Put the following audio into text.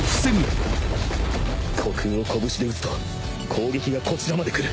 虚空を拳で打つと攻撃がこちらまで来る